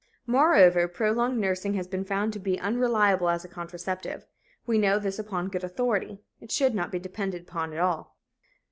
Moreover, prolonged nursing has been found to be unreliable as a contraceptive. We know this upon good authority. It should not be depended upon at all.